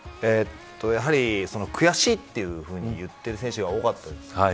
やはり悔しいと言っている選手が多かったです。